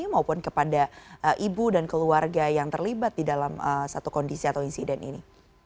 maupun kepada ibu dan keluarga yang terlibat di dalam satu kondisi atau insiden ini